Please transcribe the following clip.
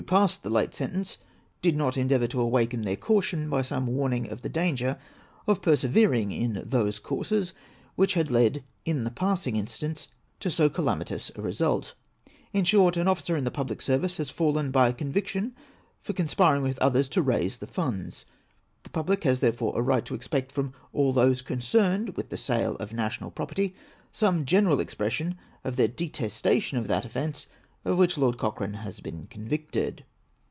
471 passed the late sentence did not endeavour to awaken their caution by some warning of the danger of persevering in those courses which had led in the passing instance to so calamitous a result ; in short, an officer in the public service has fallen by a conviction for conspiring with others to raise the funds ; the public has therefore a right to expect from all those connected with the sale of national property some general expression of their detestation of that otfence of which Lord Cochrane has been convicted.